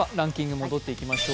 戻っていきましょう。